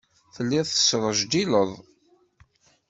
Telliḍ tesrejdileḍ.